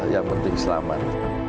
yang penting selamat